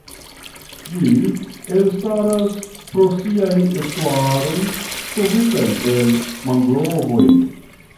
Ĝi elstaras pro siaj estuaroj kovritaj el mangrovoj.